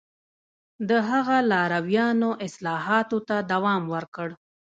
د هغه لارویانو اصلاحاتو ته دوام ورکړ